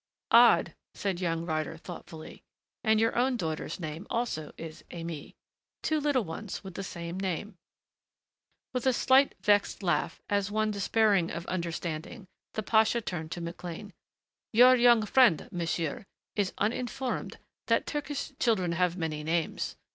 "Odd," said young Ryder thoughtfully. "And your own daughter's name, also, is Aimée.... Two little ones with the same name." With a slight, vexed laugh, as one despairing of understanding, the pasha turned to McLean. "Your young friend, monsieur, is uninformed that Turkish children have many names....